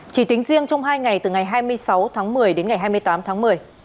chỉ tính riêng trong hai ngày từ ngày hai mươi sáu tháng một mươi đến ngày hai mươi tám tháng một mươi